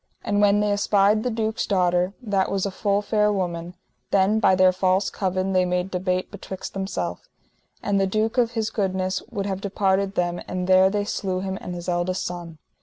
And when they espied the duke's daughter, that was a full fair woman, then by their false covin they made debate betwixt themself, and the duke of his goodness would have departed them, and there they slew him and his eldest son.